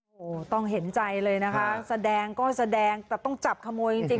โอ้โหต้องเห็นใจเลยนะคะแสดงก็แสดงแต่ต้องจับขโมยจริง